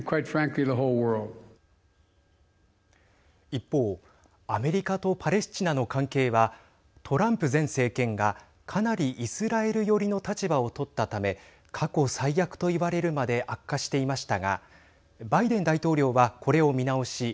一方アメリカとパレスチナの関係はトランプ前政権がかなりイスラエル寄りの立場を取ったため過去最悪といわれるまで悪化していましたがバイデン大統領はこれを見直し